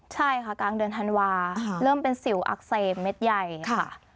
ใช่ค่ะกลางเดือนธันวาเริ่มเป็นสิวอักเสบเม็ดใหญ่ค่ะ